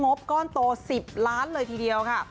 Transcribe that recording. บก้อนโต๑๐ล้านเลยทีเดียวค่ะ